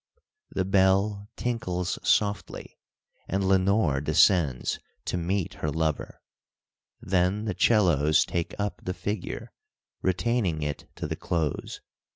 The bell tinkles softly, and Lenore descends to meet her lover. Then the 'cellos take up the figure, retaining it to the close.